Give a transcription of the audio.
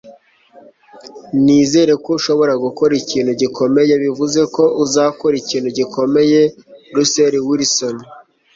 nizera ko ushobora gukora ikintu gikomeye bivuze ko uzakora ikintu gikomeye. - russell wilson